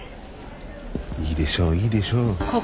いいでしょういいでしょう。